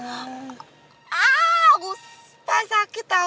aaaaah gue sakit tau